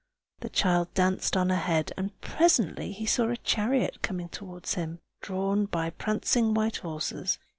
The child danced on ahead, and presently he saw a chariot coming towards him, drawn by prancing white horses.